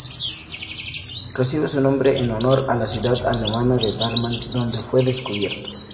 Recibe su nombre en honor a la ciudad alemana de Darmstadt donde fue descubierto.